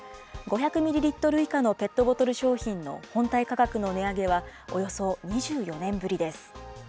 ５００ミリリットル以下のペットボトル商品の本体価格の値上げはおよそ２４年ぶりです。